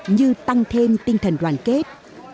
như tăng thêm tinh thần đoàn kết